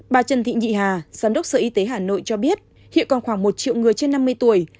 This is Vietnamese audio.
bà trần thị nhị hà giám đốc sở y tế hà nội cho biết hiện còn khoảng một triệu người trên năm mươi tuổi